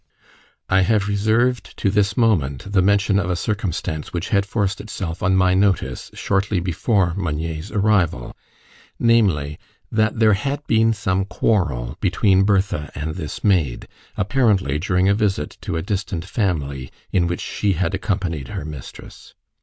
I have reserved to this moment the mention of a circumstance which had forced itself on my notice shortly before Meunier's arrival, namely, that there had been some quarrel between Bertha and this maid, apparently during a visit to a distant family, in which she had accompanied her mistress.